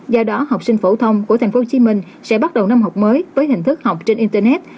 do đó học sinh phổ thông của tp hcm sẽ bắt đầu năm học mới với hình thức học trên internet